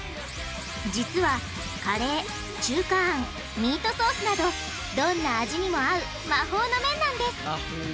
実はカレー中華あんミートソースなどどんな味にも合う魔法の麺なんです！